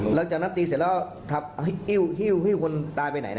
หลังจากนั้นตีเสร็จแล้วทับพี่ขุนตายไปไหนน่ะ